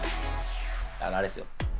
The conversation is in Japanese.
あれですよ。